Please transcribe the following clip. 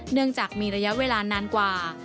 เนื่องจากมีระยะเวลานานกว่า